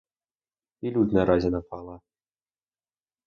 І лють нараз напала.